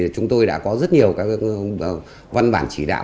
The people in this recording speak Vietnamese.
chúng tôi đã có rất nhiều các văn bản chỉ đạo